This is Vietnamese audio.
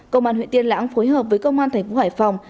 công an huyện tiên lãng phối hợp với công an thành phố hải phòng